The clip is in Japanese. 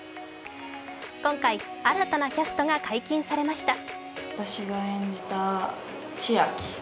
今回、新たなキャストが解禁されました。